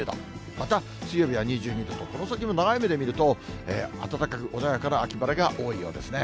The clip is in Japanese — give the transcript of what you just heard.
また水曜日は２２度と、この先も長い目で見ると、暖かく穏やかな秋晴れが多いようですね。